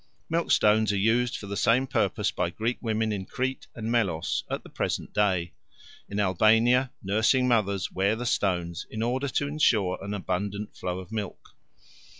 Milk stones are used for the same purpose by Greek women in Crete and Melos at the present day; in Albania nursing mothers wear the stones in order to ensure an abundant flow of milk.